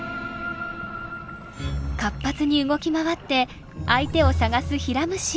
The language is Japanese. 活発に動き回って相手を探すヒラムシ。